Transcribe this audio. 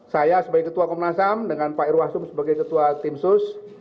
saya sebagai ketua komnas ham dengan pak irwasum sebagai ketua tim sus